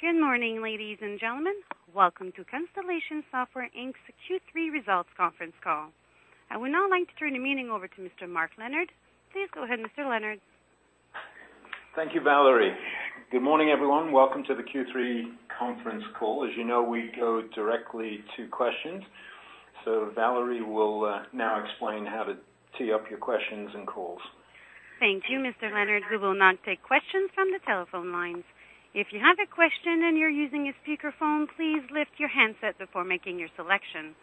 Good morning, ladies and gentlemen. Welcome to Constellation Software Inc.'s Q3 Results Conference Call. I would now like to turn the meeting over to Mr. Mark Leonard. Please go ahead, Mr. Leonard. Thank you, Valerie. Good morning, everyone. Welcome to the Q3 conference call. As you know, we go directly to questions. Valerie will now explain how to tee up your questions and calls. Thank you, Mr. Leonard. We will now take questions from the telephone lines. If you have a question and you're using a speakerphone, please lift your handset before making your selection.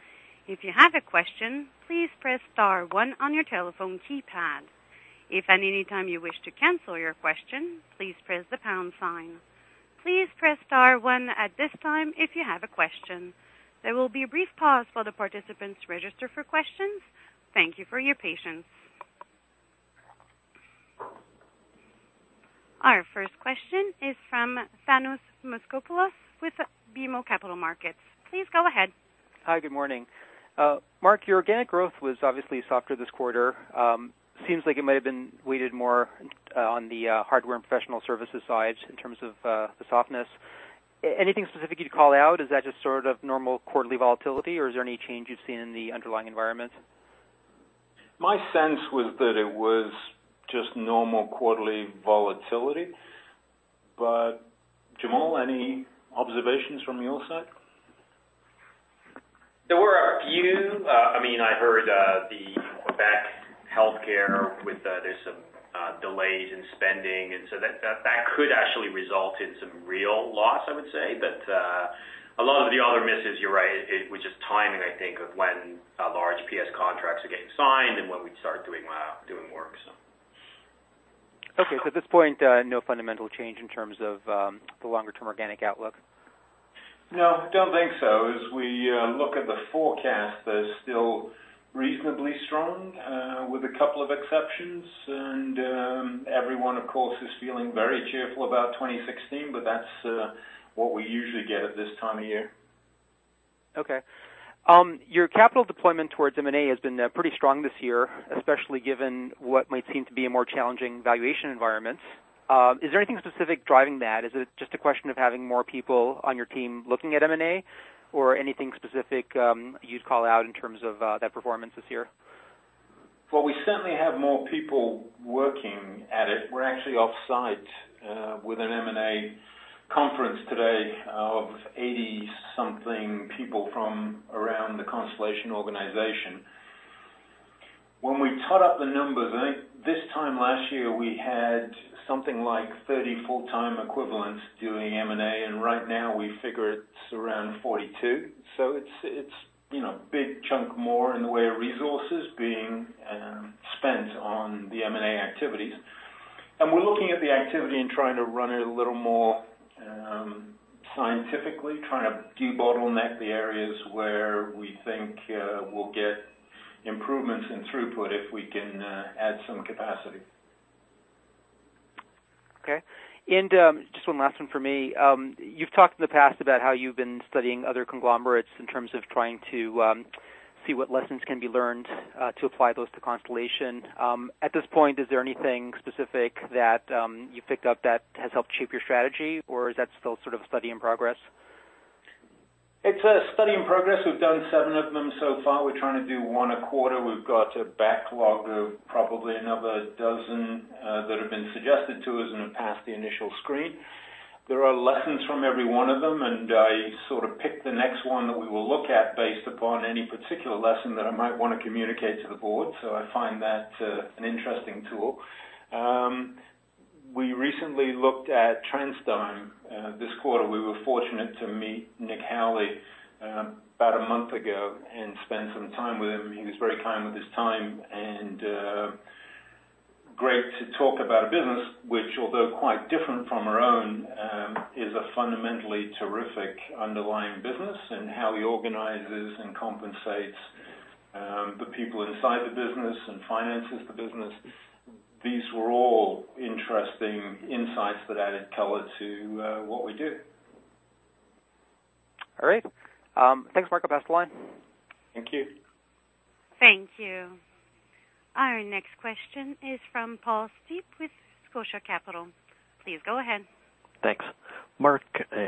If you have a question, please press star one on your telephone keypad. If at any time you wish to cancel your question, please press the pound sign. Please press star one at this time if you have a question. There will be a brief pause while the participants register for questions. Thank you for your patience. Our first question is from Thanos Moschopoulos with BMO Capital Markets. Please go ahead. Hi, good morning. Mark, your organic growth was obviously softer this quarter. Seems like it may have been weighted more on the hardware and professional services sides in terms of the softness. Anything specific you'd call out? Is that just sort of normal quarterly volatility, or is there any change you've seen in the underlying environment? My sense was that it was just normal quarterly volatility. But Jamal, any observations from your side? There were a few. I mean, I heard the Quebec healthcare, with some delays in spending, that could actually result in some real loss, I would say. A lot of the other misses, you’re right, it was just timing, I think, of when large PS contracts are getting signed and when we start doing work. Okay. At this point, no fundamental change in terms of the longer-term organic outlook? No, don't think so. As we look at the forecast, they're still reasonably strong, with a couple of exceptions. Everyone, of course, is feeling very cheerful about 2016, but that's what we usually get at this time of year. Okay. Your capital deployment towards M&A has been pretty strong this year, especially given what might seem to be a more challenging valuation environment. Is there anything specific driving that? Is it just a question of having more people on your team looking at M&A or anything specific you'd call out in terms of that performance this year? Well, we certainly have more people working at it. We're actually off-site with an M&A conference today of 80 something people from around the Constellation. When we tot up the numbers, I think this time last year, we had something like 30 full-time equivalents doing M&A, and right now we figure it's around 42. It's, you know, big chunk more in the way of resources being spent on the M&A activities. We're looking at the activity and trying to run it a little more scientifically, trying to debottleneck the areas where we think we'll get improvements in throughput if we can add some capacity. Okay. Just one last one from me. You've talked in the past about how you've been studying other conglomerates in terms of trying to, see what lessons can be learned, to apply those to Constellation. At this point, is there anything specific that, you picked up that has helped shape your strategy, or is that still sort of a study in progress? It's a study in progress. We've done seven of them so far. We're trying to do one a quarter. We've got a backlog of probably another 12 that have been suggested to us and have passed the initial screen. There are lessons from every one of them. I sort of pick the next one that we will look at based upon any particular lesson that I might want to communicate to the board. I find that an interesting tool. We recently looked at TransDigm this quarter. We were fortunate to meet Nick Howley about a month ago and spend some time with him. He was very kind with his time and great to talk about a business which, although quite different from our own, is a fundamentally terrific underlying business and how he organizes and compensates the people inside the business and finances the business. These were all interesting insights that added color to what we do. All right. Thanks, Mark. I'll pass the line. Thank you. Thank you. Our next question is from Paul Steep with Scotiabank Capital. Please go ahead. Thanks. Mark,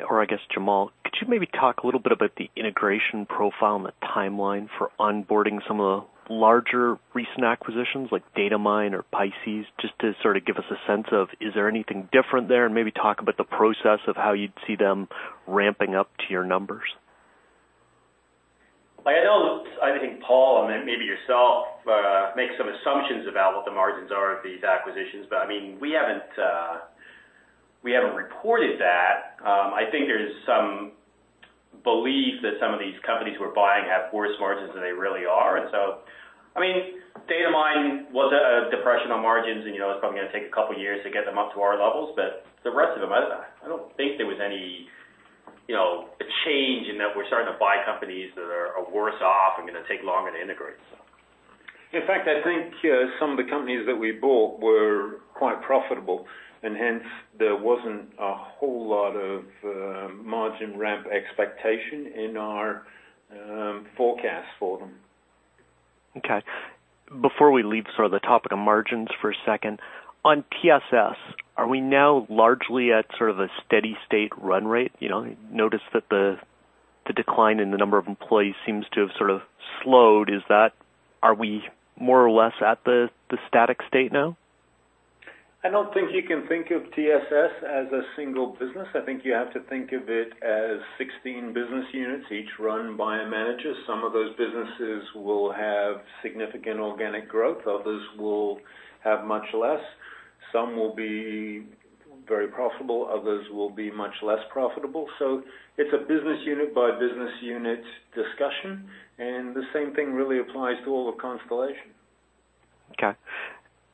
or I guess Jamal, could you maybe talk a little bit about the integration profile and the timeline for onboarding some of the larger recent acquisitions like Datamine or Picis, just to sort of give us a sense of, is there anything different there? Maybe talk about the process of how you'd see them ramping up to your numbers. I know, I think Paul, and then maybe yourself, make some assumptions about what the margins are of these acquisitions. I mean, we haven't, we haven't reported that. I think there's some belief that some of these companies we're buying have worse margins than they really are. I mean, Datamine was a depression on margins, and you know, it's probably gonna take couple of years to get them up to our levels. The rest of them, I don't think there was any, you know, a change in that we're starting to buy companies that are worse off and gonna take longer to integrate. In fact, I think, some of the companies that we bought were quite profitable, and hence there wasn't a whole lot of margin ramp expectation in our forecast for them. Okay. Before we leave sort of the topic of margins for a second, on TSS, are we now largely at sort of a steady state run rate? You know, notice that the decline in the number of employees seems to have sort of slowed. Are we more or less at the static state now? I don't think you can think of TSS as a single business. I think you have to think of it as 16 business units, each run by a manager. Some of those businesses will have significant organic growth, others will have much less. Some will be very profitable, others will be much less profitable. It's a business unit by business unit discussion, and the same thing really applies to all of Constellation. Okay.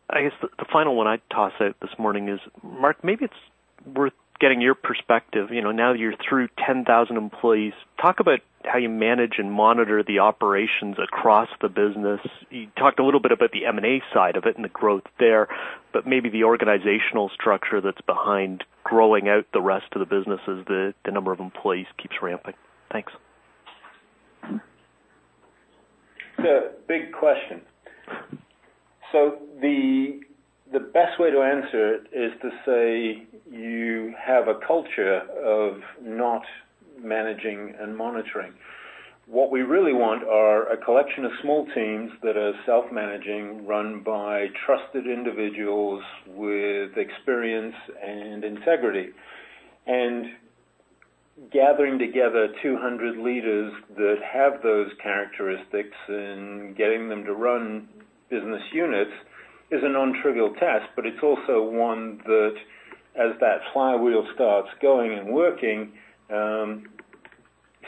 I guess the final one I'd toss out this morning is, Mark, maybe it's worth getting your perspective. You know, now you're through 10,000 employees. Talk about how you manage and monitor the operations across the business. You talked a little bit about the M&A side of it and the growth there, but maybe the organizational structure that's behind growing out the rest of the businesses, the number of employees keeps ramping. Thanks. It's a big question. The best way to answer it is to say you have a culture of not managing and monitoring. What we really want are a collection of small teams that are self-managing, run by trusted individuals with experience and integrity. Gathering together 200 leaders that have those characteristics and getting them to run business units is a non-trivial task, but it's also one that, as that flywheel starts going and working,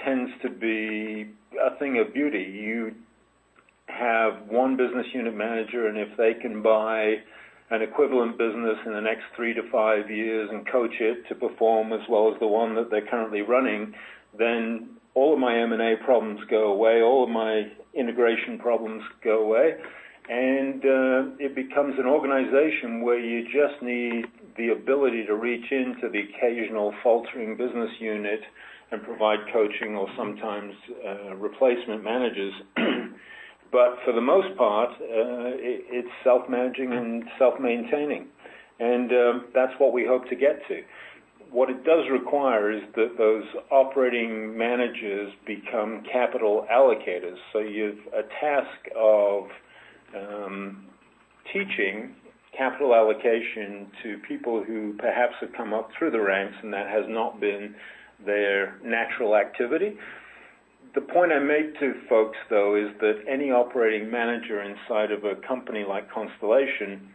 tends to be a thing of beauty. You have one business unit manager, and if they can buy an equivalent business in the next three-five years and coach it to perform as well as the one that they're currently running, then all of my M&A problems go away, all of my integration problems go away. It becomes an organization where you just need the ability to reach into the occasional faltering business unit and provide coaching or sometimes replacement managers. For the most part, it's self-managing and self-maintaining, and that's what we hope to get to. What it does require is that those operating managers become capital allocators. You've a task of teaching capital allocation to people who perhaps have come up through the ranks, and that has not been their natural activity. The point I make to folks, though, is that any operating manager inside of a company like Constellation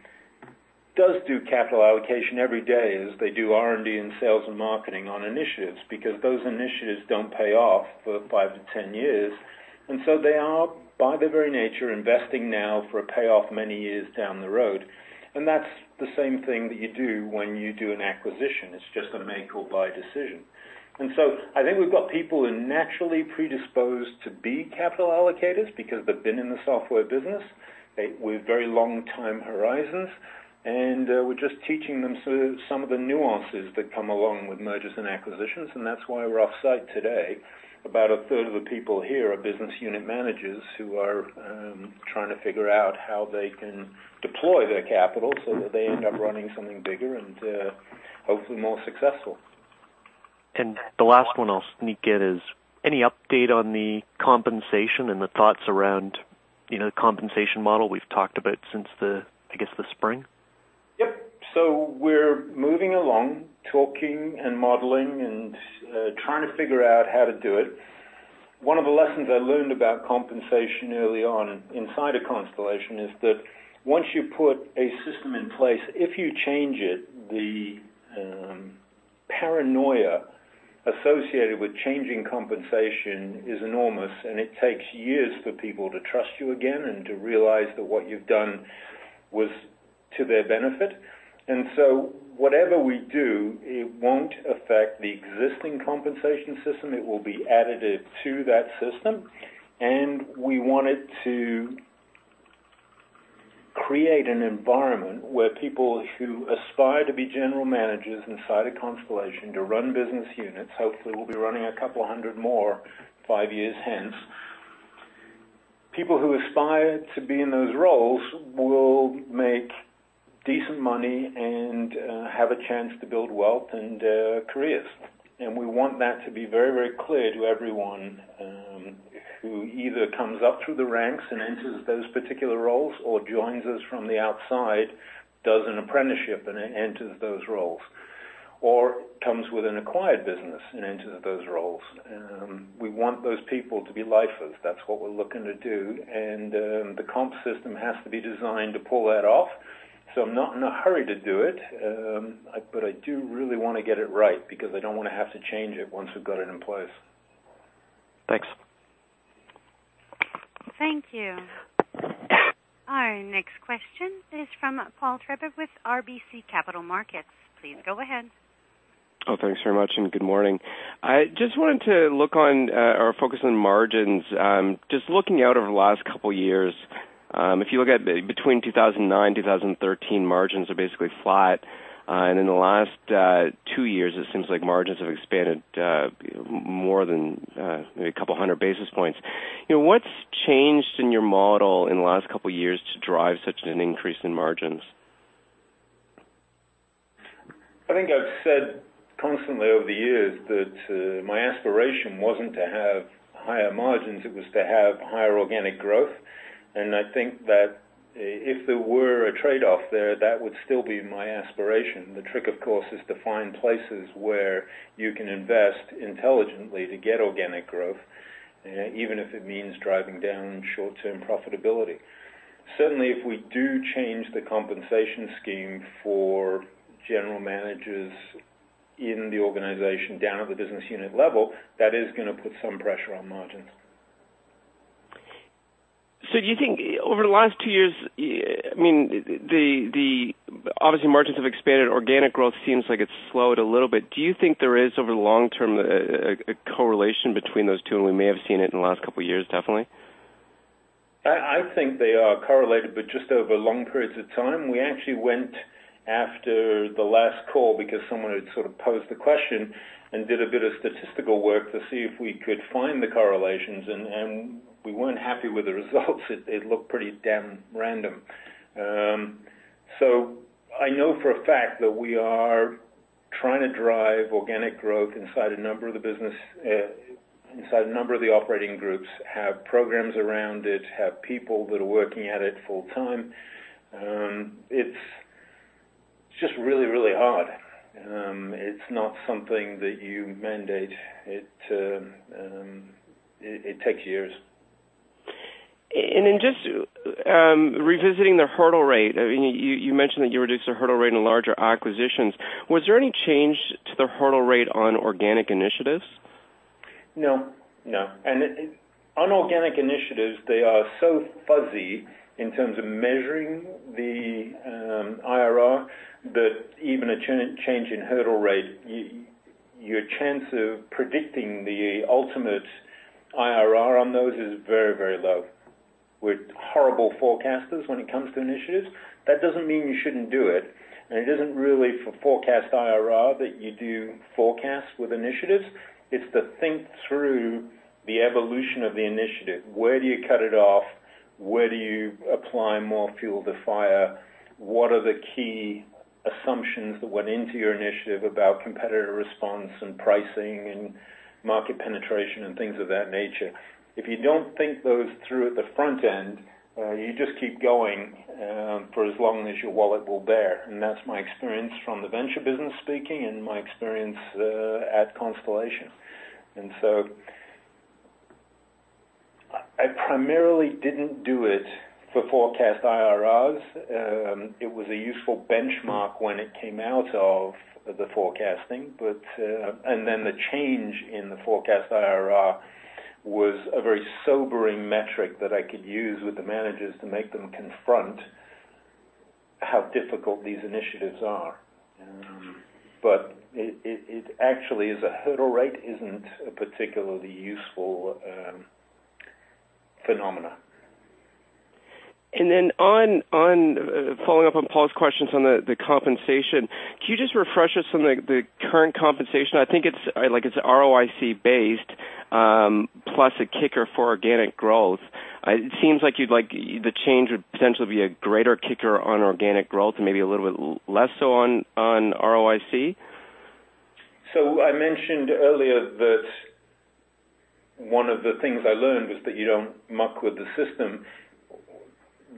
does do capital allocation every day as they do R&D and sales and marketing on initiatives, because those initiatives don't pay off for 5-10 years. They are, by their very nature, investing now for a payoff many years down the road. That's the same thing that you do when you do an acquisition. It's just a make or buy decision. I think we've got people who are naturally predisposed to be capital allocators because they've been in the software business. With very long time horizons, and we're just teaching them some of the nuances that come along with mergers and acquisitions, and that's why we're off-site today. About a third of the people here are business unit managers who are trying to figure out how they can deploy their capital so that they end up running something bigger and hopefully more successful. The last one I'll sneak in is any update on the compensation and the thoughts around, you know, compensation model we've talked about since the, I guess, the spring? Yep. We're moving along, talking and modeling and trying to figure out how to do it. One of the lessons I learned about compensation early on inside of Constellation is that once you put a system in place, if you change it, the paranoia associated with changing compensation is enormous, and it takes years for people to trust you again and to realize that what you've done was to their benefit. Whatever we do, it won't affect the existing compensation system. It will be additive to that system. We want it to create an environment where people who aspire to be general managers inside of Constellation to run business units, hopefully, we'll be running a couple of hundred more five years hence. People who aspire to be in those roles will make decent money and have a chance to build wealth and careers. We want that to be very, very clear to everyone who either comes up through the ranks and enters those particular roles or joins us from the outside, does an apprenticeship, and enters those roles, or comes with an acquired business and enters those roles. We want those people to be lifers. That's what we're looking to do. The comp system has to be designed to pull that off. I'm not in a hurry to do it, but I do really wanna get it right because I don't wanna have to change it once we've got it in place. Thanks. Thank you. Our next question is from Paul Treiber with RBC Capital Markets. Please go ahead. Oh, thanks very much, and good morning. I just wanted to look on, or focus on margins. Just looking out over the last couple of years, if you look between 2009 and 2013, margins are basically flat. In the last two years, it seems like margins have expanded more than 200 basis points. You know, what's changed in your model in the last couple of years to drive such an increase in margins? I think I've said constantly over the years that my aspiration wasn't to have higher margins, it was to have higher organic growth. I think that if there were a trade-off there, that would still be my aspiration. The trick, of course, is to find places where you can invest intelligently to get organic growth, even if it means driving down short-term profitability. Certainly, if we do change the compensation scheme for general managers in the organization down at the business unit level, that is gonna put some pressure on margins. Do you think over the last two years, I mean, the obviously margins have expanded. Organic growth seems like it's slowed a little bit. Do you think there is, over the long term, a correlation between those two, and we may have seen it in the last couple of years, definitely? I think they are correlated, but just over long periods of time. We actually went after the last call because someone had sort of posed the question and did a bit of statistical work to see if we could find the correlations, and we weren't happy with the results. It looked pretty damn random. I know for a fact that we are trying to drive organic growth inside a number of the business, inside a number of the operating groups, have programs around it, have people that are working at it full time. It's just really, really hard. It's not something that you mandate. It takes years. Just, revisiting the hurdle rate, I mean, you mentioned that you reduced the hurdle rate in larger acquisitions. Was there any change to the hurdle rate on organic initiatives? No, no. On organic initiatives, they are so fuzzy in terms of measuring the IRR that even a change in hurdle rate, your chance of predicting the ultimate IRR on those is very, very low. We're horrible forecasters when it comes to initiatives. That doesn't mean you shouldn't do it. It isn't really for forecast IRR that you do forecasts with initiatives. It's to think through the evolution of the initiative. Where do you cut it off? Where do you apply more fuel to fire? What are the key assumptions that went into your initiative about competitor response and pricing and market penetration and things of that nature? If you don't think those through at the front end, you just keep going for as long as your wallet will bear. That's my experience from the venture business speaking and my experience at Constellation. I primarily didn't do it for forecast IRRs. It was a useful benchmark when it came out of the forecasting. The change in the forecast IRR was a very sobering metric that I could use with the managers to make them confront how difficult these initiatives are. But it actually is a hurdle rate isn't a particularly useful phenomena. On following up on Paul's questions on the compensation, can you just refresh us on the current compensation? I think it's, like, it's ROIC-based, plus a kicker for organic growth. It seems like you'd like the change would potentially be a greater kicker on organic growth and maybe a little bit less so on ROIC. I mentioned earlier that one of the things I learned was that you don't muck with the system.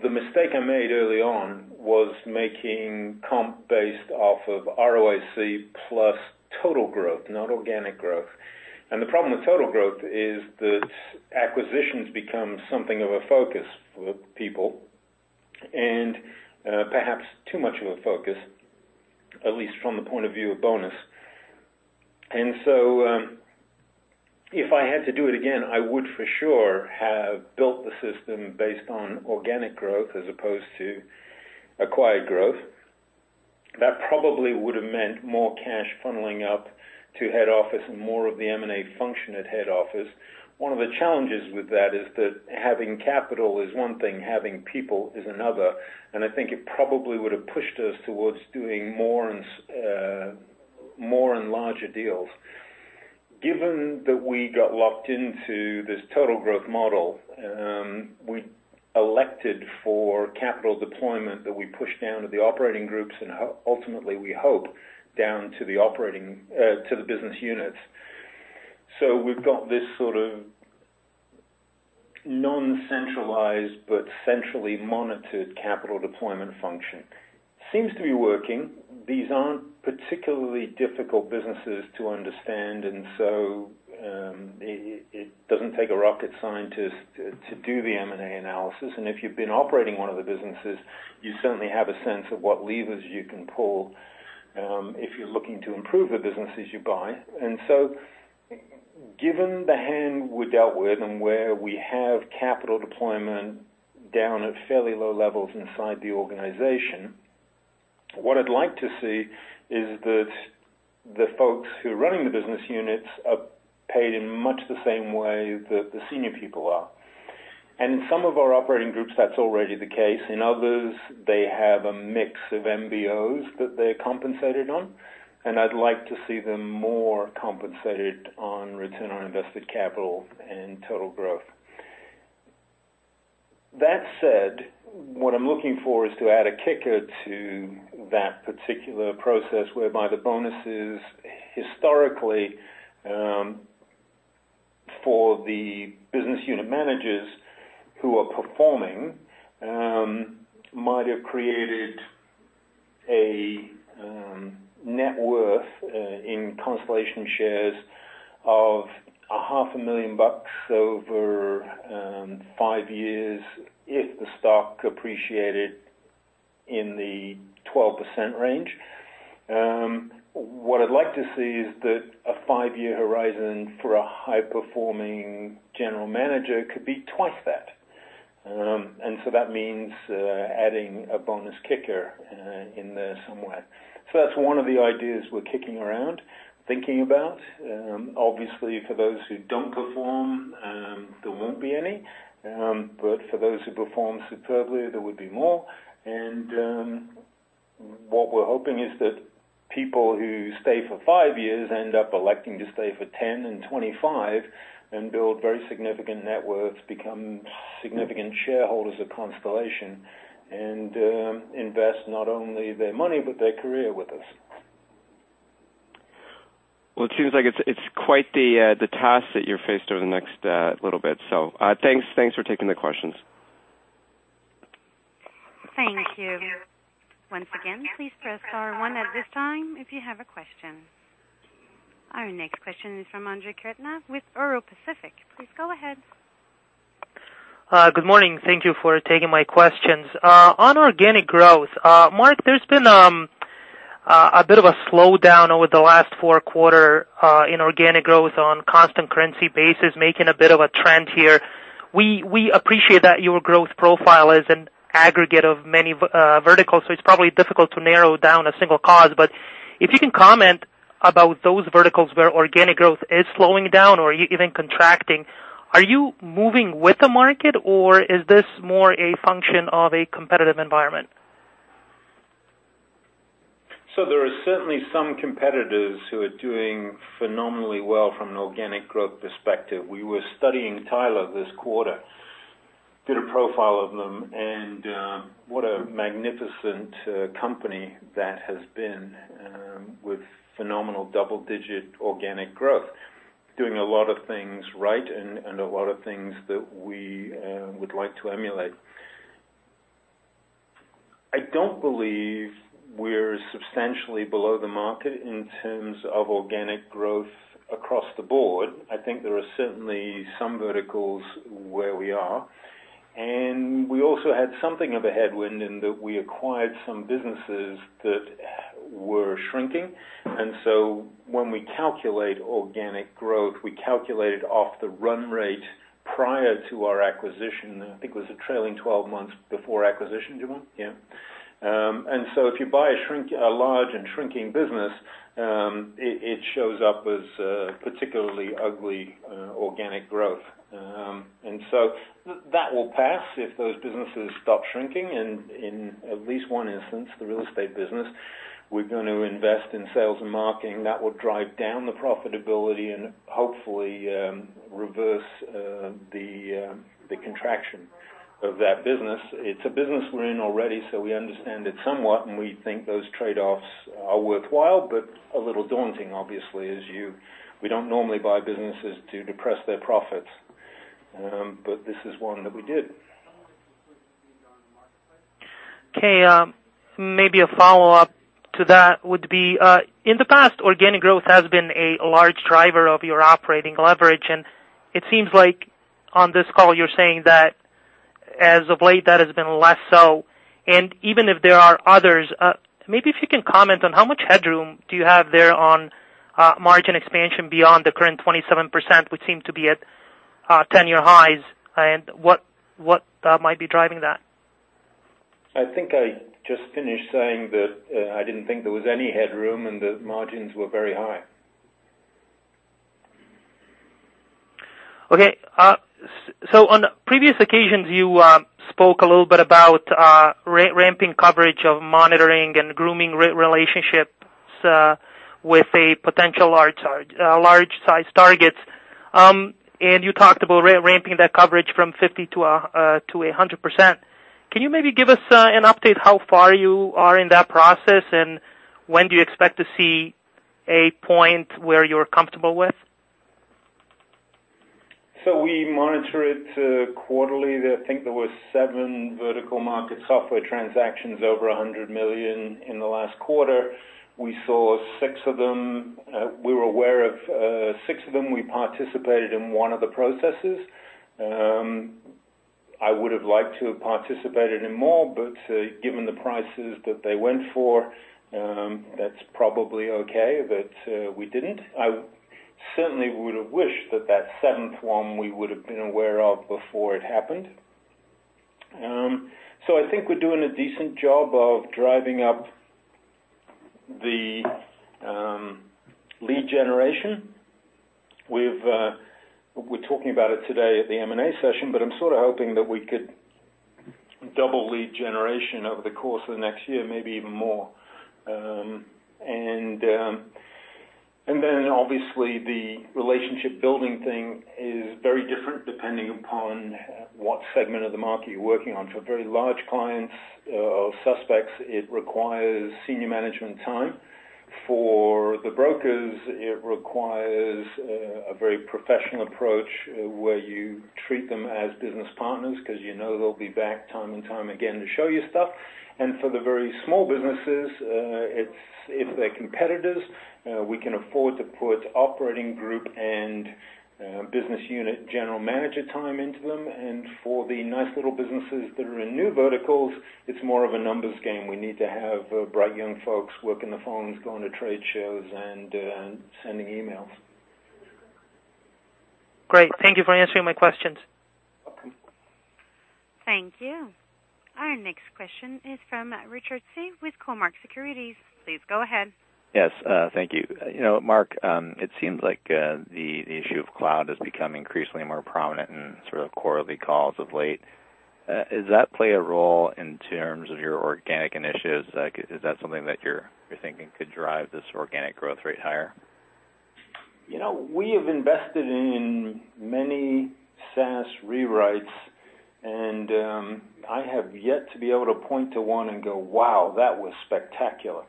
The mistake I made early on was making comp based off of ROIC plus total growth, not organic growth. The problem with total growth is that acquisitions become something of a focus for people, and perhaps too much of a focus, at least from the point of view of bonus. If I had to do it again, I would for sure have built the system based on organic growth as opposed to acquired growth. That probably would have meant more cash funneling up to head office and more of the M&A function at head office. One of the challenges with that is that having capital is one thing, having people is another. I think it probably would have pushed us towards doing more and larger deals. Given that we got locked into this total growth model, we elected for capital deployment that we push down to the operating groups and ultimately, we hope, down to the operating to the business units. We've got this sort of non-centralized but centrally monitored capital deployment function. Seems to be working. These aren't particularly difficult businesses to understand. It doesn't take a rocket scientist to do the M&A analysis. If you've been operating one of the businesses, you certainly have a sense of what levers you can pull if you're looking to improve the businesses you buy. Given the hand we're dealt with and where we have capital deployment down at fairly low levels inside the organization. What I'd like to see is that the folks who are running the business units are paid in much the same way that the senior people are. In some of our operating groups, that's already the case. In others, they have a mix of MBOs that they're compensated on, and I'd like to see them more compensated on return on invested capital and total growth. That said, what I'm looking for is to add a kicker to that particular process whereby the bonuses historically for the business unit managers who are performing might have created a net worth in Constellation shares of 500,000 bucks over five years if the stock appreciated in the 12% range. What I'd like to see is that a five-year horizon for a high-performing general manager could be twice that. That means adding a bonus kicker in there somewhere. That's one of the ideas we're kicking around, thinking about. Obviously, for those who don't perform, there won't be any. For those who perform superbly, there would be more. What we're hoping is that people who stay for five years end up electing to stay for 10 and 25 and build very significant net worth, become significant shareholders of Constellation, and invest not only their money but their career with us. Well, it seems like it's quite the task that you're faced over the next little bit. Thanks. Thanks for taking the questions. Thank you. Once again, please press star one at this time if you have a question. Our next question is from Andrej Krneta with Euro Pacific. Please go ahead. Good morning. Thank you for taking my questions. On organic growth, Mark, there's been a bit of a slowdown over the last four quarters in organic growth on constant currency basis, making a bit of a trend here. We appreciate that your growth profile is an aggregate of many verticals, so it's probably difficult to narrow down a single cause. If you can comment about those verticals where organic growth is slowing down or even contracting, are you moving with the market, or is this more a function of a competitive environment? There are certainly some competitors who are doing phenomenally well from an organic growth perspective. We were studying Tyler this quarter. Did a profile of them, and what a magnificent company that has been, with phenomenal double-digit organic growth. Doing a lot of things right and a lot of things that we would like to emulate. I don't believe we're substantially below the market in terms of organic growth across the board. I think there are certainly some verticals where we are. We also had something of a headwind in that we acquired some businesses that were shrinking. When we calculate organic growth, we calculate it off the run rate prior to our acquisition. I think it was a trailing 12 months before acquisition, Jamal? Yeah. If you buy a large and shrinking business, it shows up as a particularly ugly organic growth. That will pass if those businesses stop shrinking. In at least one instance, the real estate business, we're going to invest in sales and marketing. That will drive down the profitability and hopefully reverse the contraction of that business. It's a business we're in already, so we understand it somewhat, and we think those trade-offs are worthwhile, but a little daunting, obviously, we don't normally buy businesses to depress their profits. This is one that we did. Okay. Maybe a follow-up to that would be, in the past, organic growth has been a large driver of your operating leverage, and it seems like on this call you're saying that as of late, that has been less so. Even if there are others, maybe if you can comment on how much headroom do you have there on margin expansion beyond the current 27%, which seem to be at 10-year highs, and what, might be driving that? I think I just finished saying that I didn't think there was any headroom, and the margins were very high. Okay. On previous occasions, you spoke a little bit about ramping coverage of monitoring and grooming relationships with a potential large size targets. You talked about ramping that coverage from 50% to 100%. Can you maybe give us an update how far you are in that process, and when do you expect to see a point where you're comfortable with? We monitor it quarterly. I think there were seven vertical market software transactions over 100 million in the last quarter. We saw six of them. We were aware of six of them. We participated in one of the processes. I would have liked to have participated in more, but given the prices that they went for, that's probably okay that we didn't. Certainly would have wished that that 7th one we would have been aware of before it happened. I think we're doing a decent job of driving up the lead generation. We're talking about it today at the M&A session, but I'm sort of hoping that we could double lead generation over the course of the next year, maybe even more. Obviously the relationship building thing is very different depending upon what segment of the market you're working on. For very large clients, or suspects, it requires senior management time. For the brokers, it requires a very professional approach where you treat them as business partners because you know they'll be back time and time again to show you stuff. For the very small businesses, it's if they're competitors, we can afford to put operating group and business unit general manager time into them. For the nice little businesses that are in new verticals, it's more of a numbers game. We need to have bright young folks working the phones, going to trade shows, and sending emails. Great. Thank you for answering my questions. Welcome. Thank you. Our next question is from Richard Tse with Cormark Securities. Please go ahead. Yes, thank you. You know, Mark, it seems like the issue of cloud has become increasingly more prominent in sort of quarterly calls of late. Does that play a role in terms of your organic initiatives? Like, is that something that you're thinking could drive this organic growth rate higher? You know, we have invested in many SaaS rewrites, and I have yet to be able to point to one and go, "Wow, that was spectacular."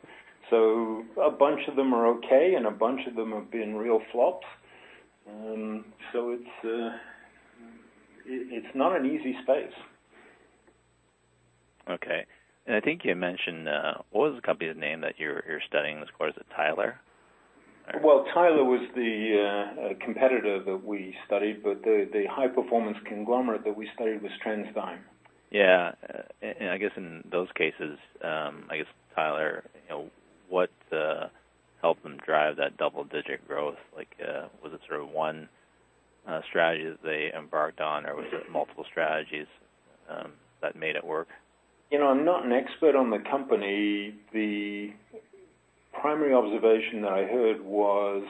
A bunch of them are okay, and a bunch of them have been real flops. It's not an easy space. Okay. I think you mentioned, what was the company's name that you're studying this quarter? Is it Tyler? Well, Tyler was the competitor that we studied, but the high-performance conglomerate that we studied was TransDigm. Yeah. I guess in those cases, I guess Tyler, you know, what helped them drive that double-digit growth? Like, was it sort of one strategy that they embarked on, or was it multiple strategies that made it work? You know, I'm not an expert on the company. The primary observation that I heard was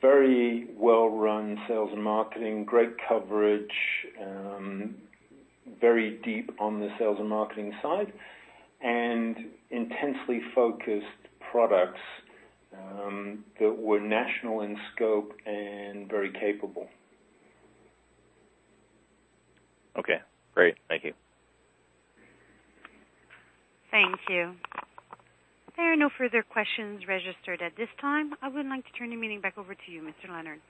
very well-run sales and marketing, great coverage, very deep on the sales and marketing side, and intensely focused products that were national in scope and very capable. Okay, great. Thank you. Thank you. There are no further questions registered at this time. I would like to turn the meeting back over to you, Mr. Leonard.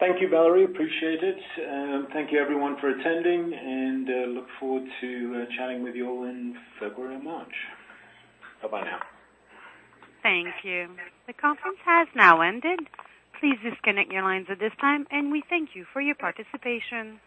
Thank you, Valerie. Appreciate it. Thank you everyone for attending, and look forward to chatting with you all in February and March. Bye-bye now. Thank you. The conference has now ended. Please disconnect your lines at this time, and we thank you for your participation.